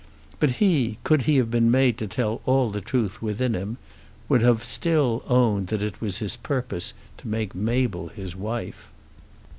But he, could he have been made to tell all the truth within him, would have still owned that it was his purpose to make Mabel his wife.